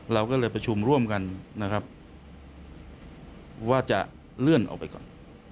เราก็เลยประชุมร่วมกันนะครับว่าจะเลื่อนออกไปก่อน